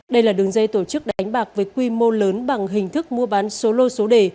đây là đường dây tổ chức đánh bạc với quy mô lớn bằng hình thức mua bán solo số đề